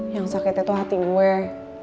yang sakitnya itu hati gue